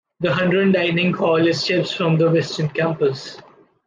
The Huron dining hall is steps from the Western campus.